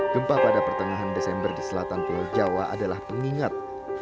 gempa pada pertengahan desember di selatan pulau jawa adalah pengingat